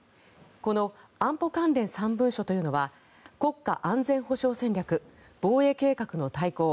この安保関連３文書というのは国家安全保障戦略防衛計画の大綱